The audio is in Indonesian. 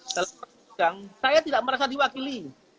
saya tidak merasa diwakili